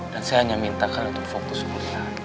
dan saya hanya minta kalian untuk fokus kuliah